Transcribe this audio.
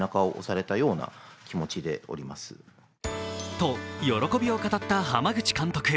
と喜びを語った濱口監督。